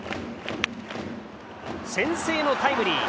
先制のタイムリー。